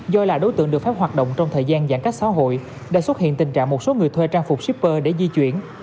do là đối tượng được phép hoạt động trong thời gian giãn cách xã hội đã xuất hiện tình trạng một số người thuê trang phục shipper để di chuyển